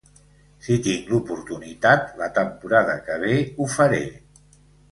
Si tinc l'oportunitat la temporada que ve, ho faré.